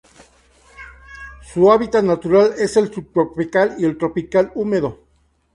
Su hábitat natural es el subtropical y tropical húmedo.